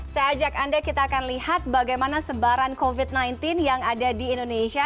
saya ajak anda kita akan lihat bagaimana sebaran covid sembilan belas yang ada di indonesia